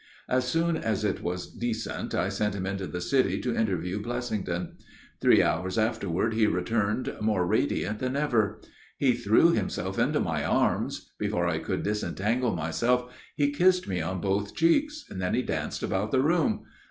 As soon as it was decent I sent him into the city to interview Blessington. Three hours afterward he returned more radiant than ever. He threw himself into my arms; before I could disentagle myself, he kissed me on both cheeks; then he danced about the room.